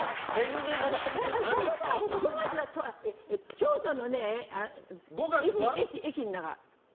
京都の駅の中。